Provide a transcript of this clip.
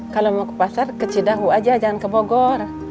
kalau mau ke pasar ke cidahu aja jangan ke bogor